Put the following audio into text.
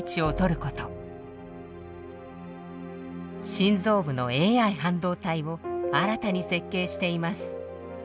心臓部のＡＩ半導体を新たに設計しています。